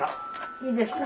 いいですね。